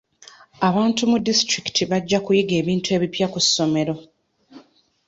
Abantu mu disitulikiti bajja kuyiga ebintu ebipya ku ssomero.